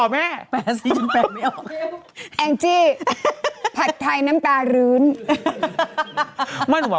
มันแอบด่าแล้วนะ